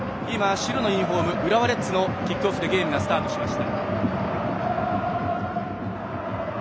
白のユニフォーム浦和レッズのキックオフでゲームがスタートしました。